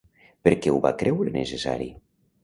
Per què ho va creure necessari?